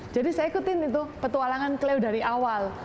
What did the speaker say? jadi saya ikutin itu petualangan cleo dari awal